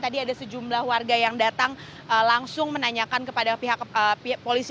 tadi ada sejumlah warga yang datang langsung menanyakan kepada pihak polisi